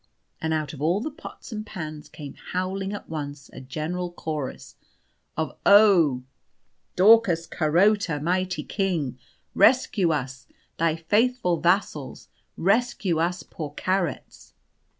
And out of all the pots and pans came howling at once a general chorus of "Oh Daucus Carota! Mighty King! Rescue us, thy faithful vassals rescue us poor carrots!"